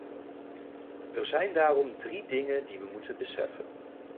Er zijn daarom drie dingen die we moeten beseffen.